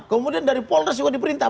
kemudian dari polres juga diperintah